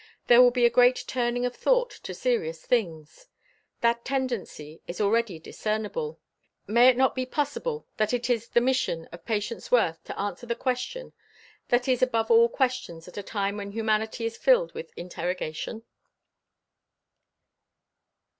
There will be a great turning of thought to serious things. That tendency is already discernible. May it not be possible that it is the mission of Patience Worth to answer the question that is above all questions at a time when humanity is filled with interrogation?